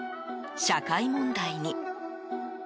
社会問題に。